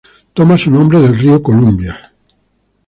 Toma su nombre del río Columbia.